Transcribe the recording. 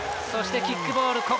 そして、キックボール